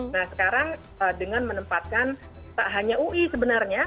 nah sekarang dengan menempatkan tak hanya ui sebenarnya